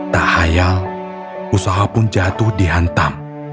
tak hayal usaha pun jatuh dihantam